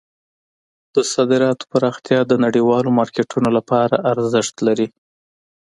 د صادراتو پراختیا د نړیوالو مارکیټونو لپاره ارزښت لري.